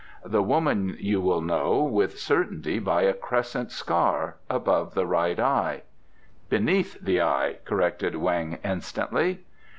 The woman you will know with certainty by a crescent scar above the right eye." "Beneath the eye," corrected Weng instantly.